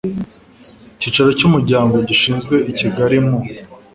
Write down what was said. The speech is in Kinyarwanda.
icyicaro cy umuryango gishyizwe i kigali mu